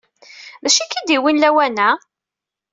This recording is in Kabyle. D acu ay k-id-yewwin lawan-a?